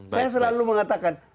saya selalu mengatakan